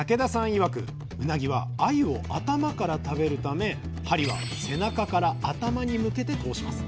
いわくうなぎはあゆを頭から食べるため針は背中から頭に向けて通します。